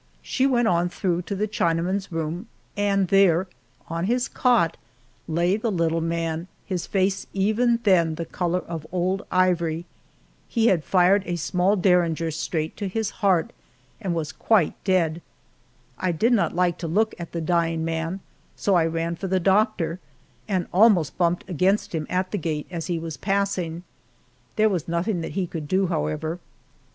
She went on through to the Chinaman's room, and there, on his cot, lay the little man, his face even then the color of old ivory. He had fired a small Derringer straight to his heart and was quite dead. I did not like to look at the dying man, so I ran for the doctor and almost bumped against him at the gate as he was passing. There was nothing that he could do, however.